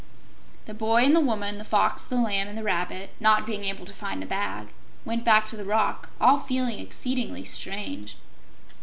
The Boy and the Woman, the Fox, the Lamb, and the Rabbit, not being able to find the bag, went back to the rock, all feeling exceedingly strange.